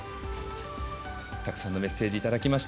たくさんのメッセージをいただきました。